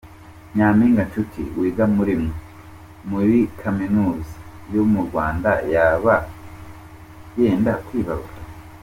Nyaminga Nshuti Wiga Murimwe murikaminuza Yomurwanda yaba yenda kwibaruka